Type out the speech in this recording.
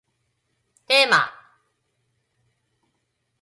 テーマ